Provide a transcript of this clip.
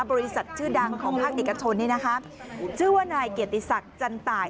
บริษัทชื่อดังของภาคเอกชนนี่นะคะชื่อว่านายเกียรติศักดิ์จันต่าย